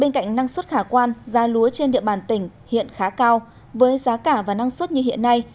bên cạnh năng suất khả quan giá lúa trên địa bàn tỉnh hiện khá cao với giá cả và năng suất như hiện nay